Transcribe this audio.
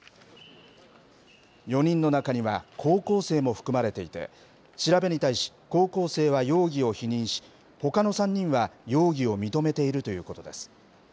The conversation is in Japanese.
４人の中には、高校生も含まれていて、調べに対し、高校生は容疑を否認し、ほかの３人は容疑を認めているということです。